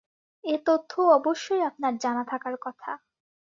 এ-তথ্যও অবশ্যই আপনার জানা থাকার কথা।